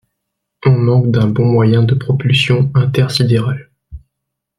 On manque d'un bon moyen de propulsion intersidéral.